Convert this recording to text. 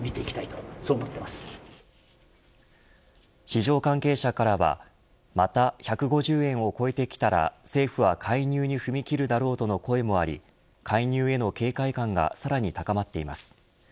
市場関係者からはまた１５０円を超えてきたら政府は介入に踏み切るだろうとの声もあり介入への警戒感がさらに高まっています。